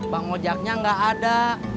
bang ojaknya gak ada